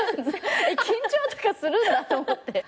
緊張とかするんだと思って。